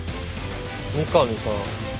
三上さん。